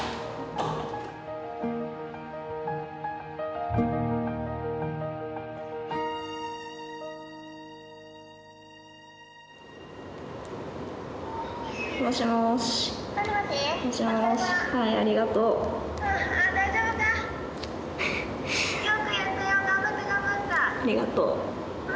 ありがとう。